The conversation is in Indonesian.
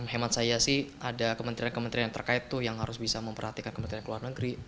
hemat saya sih ada kementerian kementerian terkait tuh yang harus bisa memperhatikan kementerian luar negeri